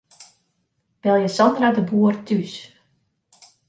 Belje Sandra de Boer thús.